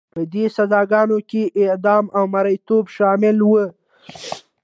په دې سزاګانو کې اعدام او مریتوب شامل وو.